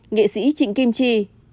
nghệ sĩ trịnh kim chi